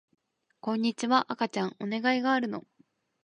こんにちは赤ちゃんお願いがあるの